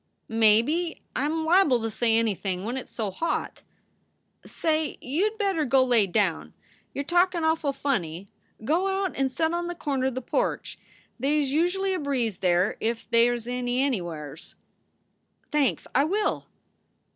" Maybe. I m liable to say anything when it s so hot." "Say, you d better go lay down. You re talkin awful funny. Go out and set on the corner the porch. They s usurally a breeze there if they s any anywhurs." "Thanks, I will."